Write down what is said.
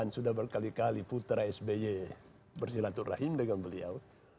sudah berkali kali putra sby bersilaturahim dengan beliau